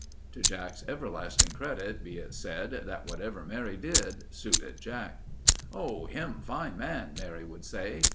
To Jack's everlasting credit, be it said that whatever Mary did, suited Jack. "Oh, him fine man," Mary would say.